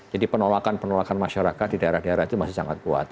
jadi penolakan penolakan masyarakat di daerah daerah itu masih sangat kuat